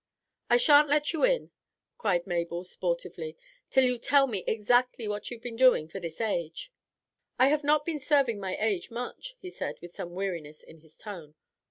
"I shan't let you in," cried Mabel sportively, "till you tell me exactly what you've been doing for this age." "I have not been serving my age much," he said, with some weariness in his tone.